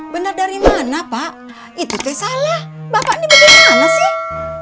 benar dari mana pak itu tes salah bapak ini bagaimana sih